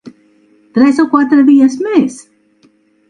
Tres o quatre dies més?